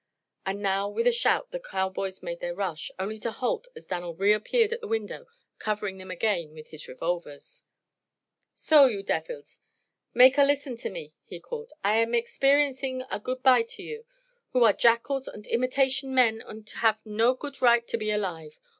And now with a shout the cowboys made their rush, only to halt as Dan'l reappeared at the window, covering them again with his revolvers. "So, you defils make a listen to me," he called. "I am experiencing a goot bye to you, who are jackals unt imitation men unt haf no goot right to be alive.